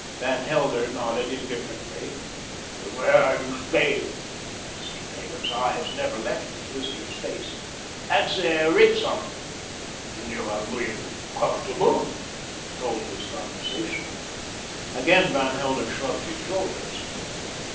Van Helder nodded indifferently. "Where are you staying?" Mr. Naylor's eyes never left his visitor's face. "At the Ritzton." "You have been comfortable?" The tone was conversational. Again Van Helder shrugged his shoulders.